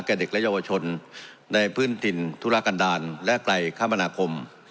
เด็กและเยาวชนในพื้นถิ่นธุรกันดาลและไกลคมนาคม